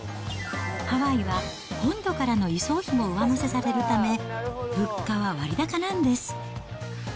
ハワイは本土からの輸送費も上乗せされるため、物価は割高なんです。